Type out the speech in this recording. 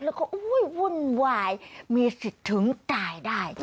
แล้วก็วุ่นวายมีสิทธิ์ถึงตายได้